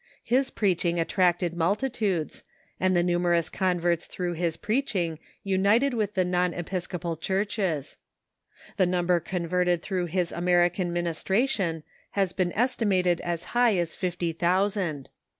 His preach ing attracted multitudes, and the numerous converts through his preaching united M'ith the non episcopal churches. The number converted through his American ministration has been estimated as high as fifty thousand.